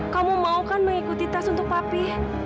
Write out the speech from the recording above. kamu maukan mengikuti tes untuk papi